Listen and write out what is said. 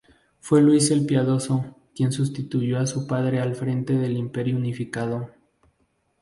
Fue Luis el Piadoso, quien sustituyó a su padre al frente del imperio unificado.